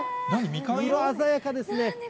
色鮮やかですね。